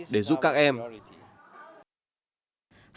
để giúp các em có thể phẫu thuật miễn phí